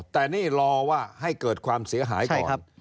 แต่นี่รอว่าให้เกิดความเสียหายก่อน